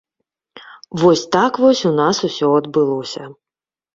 Вось так вось у нас усё адбылося.